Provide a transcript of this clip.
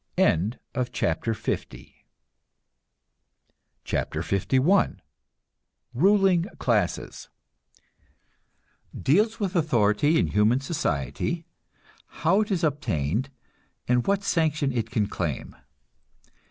CHAPTER LI RULING CLASSES (Deals with authority in human society, how it is obtained, and what sanction it can claim.)